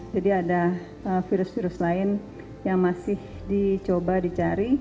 jadi ada virus virus lain yang masih dicoba dicari